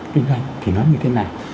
kinh doanh thì nó như thế nào